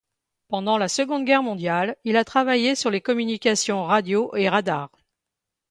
Pendant la Seconde Guerre mondiale, il a travaillé sur les communications radio et radar.